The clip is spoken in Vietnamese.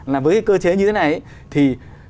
là với cơ chế như thế này thì